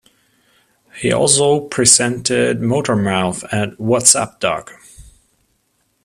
He also presented "Motormouth" and "What's Up Doc?